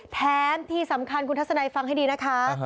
แถมที่สำคัญคุณทัศนัยฟังให้ดีนะคะ